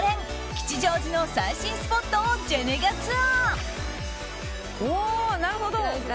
吉祥寺の最新スポットをジェネギャツアー。